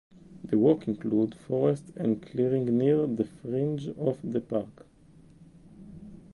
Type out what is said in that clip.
The walk includes forest and clearings near the fringe of the park.